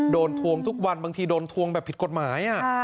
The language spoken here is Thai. ทวงทุกวันบางทีโดนทวงแบบผิดกฎหมาย